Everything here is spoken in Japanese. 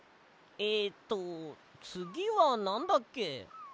えとつぎはなんだっけ？